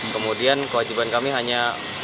kemudian kewajiban kami hanya